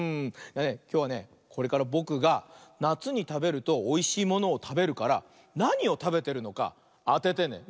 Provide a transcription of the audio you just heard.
きょうはねこれからぼくがなつにたべるとおいしいものをたべるからなにをたべてるのかあててね。